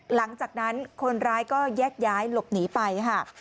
หลังจากนั้นคนร้ายก็แยกย้ายหลบหนีไปค่ะ